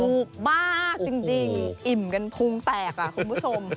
ถูกมากจริงอิ่มกันพุงแตกคุณผู้ชม